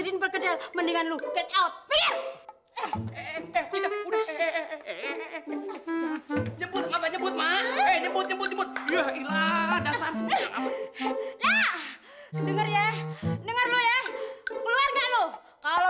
lagi panggap rongu aja lagi lo